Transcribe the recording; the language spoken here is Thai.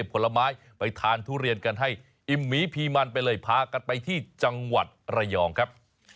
ผลไม้ไปทานทุเรียนกันให้อิ่มหมีพีมันไปเลยพากันไปที่จังหวัดระยองครับ